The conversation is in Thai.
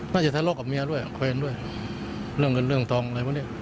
น่าจะทะเลาะกับเมียด้วยแฟนด้วยเรื่องเงินเรื่องทองอะไรพวกนี้